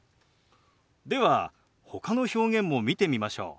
ではほかの表現も見てみましょう。